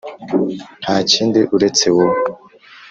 nta kindi uretse wowe